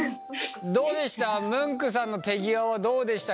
どうでした？